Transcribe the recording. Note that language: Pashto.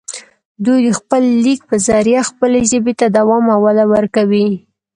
دوي دَ خپل ليک پۀ زريعه خپلې ژبې ته دوام او وده ورکوي